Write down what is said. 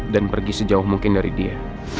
dan pergi sejauh mungkin dari dia